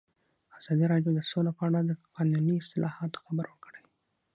ازادي راډیو د سوله په اړه د قانوني اصلاحاتو خبر ورکړی.